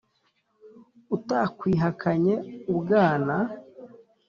utakwihakanye ubwana,